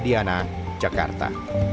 di anang jakarta